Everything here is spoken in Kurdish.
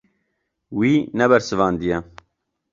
Wî nebersivandiye.